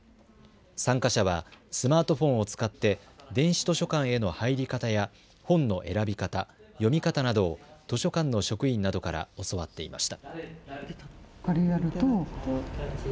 参加者はスマートフォンを使って電子図書館への入り方や本の選び方、読み方などを図書館の職員などから教わっていました。